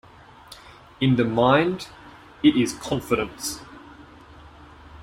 In the mind, it is confidence.